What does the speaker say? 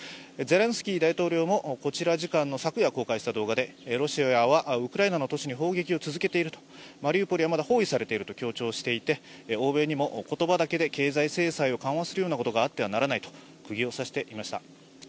ゼレンスキー大統領もこちら時間の昨夜公開した動画でロシアはウクライナの都市に砲撃を続けているマリウポリはまだ包囲されていると強調していて欧米にも言葉だけで経済制裁を緩和するようなことはあってはならないとくぎを刺していました。